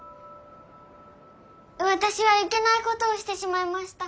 私はいけないことをしてしまいました。